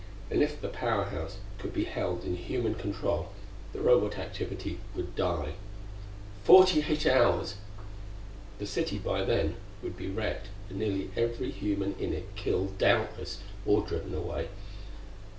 And if the Power House could be held in human control, the Robot activity would die. Forty eight hours! The city, by then, would be wrecked, and nearly every human in it killed, doubtless, or driven away.